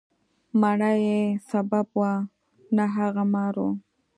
مڼه یې سبب وه، نه هغه مار و.